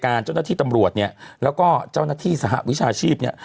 เจ้าหน้าที่ตำรวจเนี่ยแล้วก็เจ้าหน้าที่สหวิชาชีพเนี่ย